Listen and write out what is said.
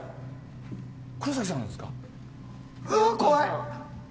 黒崎さんですか？